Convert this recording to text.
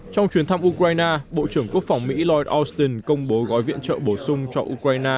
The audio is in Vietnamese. trong chuyến thăm ukraine bộ trưởng quốc phòng mỹ lloyd austin công bố gói viện trợ bổ sung cho ukraine